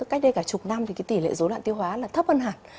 cách đây cả chục năm thì cái tỷ lệ dối loạn tiêu hóa là thấp hơn hẳn